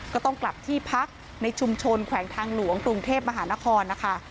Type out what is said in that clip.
ก็ต้องกลับที่พักในชุมชนแขวงทางหลวงกรุงเทพมหานครนะคะ